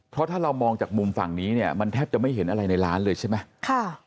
เพราะถ้าเรามองจากมุมฝั่งนี้เนี่ยมันแทบจะไม่เห็นอะไรในร้านเลยใช่ไหม